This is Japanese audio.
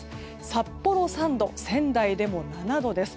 札幌３度、仙台でも７度です。